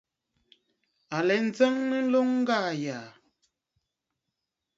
À lɛ njəŋnə nloŋ ŋgaa yàà.